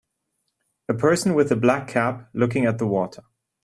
A person with a black cap looking at the water.